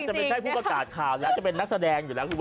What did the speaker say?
แค่จะเป็นผู้ประกาศข่าวแล้วจะเป็นนักแสดงอยู่แล้ว